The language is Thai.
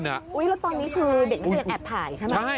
แล้วตอนนี้คือเด็กนักเรียนแอบถ่ายใช่ไหม